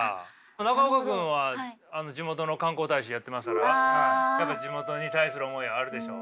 中岡君は地元の観光大使やってますからやっぱり地元に対する思いがあるでしょう。